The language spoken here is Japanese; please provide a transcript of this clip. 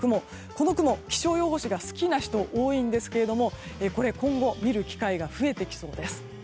この雲、気象予報士が好きな人が多いんですが今後、見る機会が増えてきそうです。